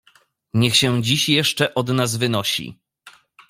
"Niech się dziś jeszcze od nas wynosi."